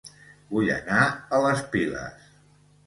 Vull anar a Les Piles